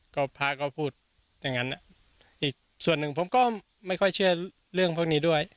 ก็พระก็พูดอย่างนั้นอีกส่วนหนึ่งผมก็ไม่ค่อยเชื่อเรื่องพวกนี้ด้วย